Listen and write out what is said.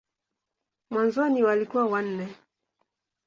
Mwanzoni walikuwa wanne.